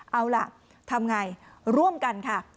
เอาล่ะทำอย่างไรร่วมกันค่ะ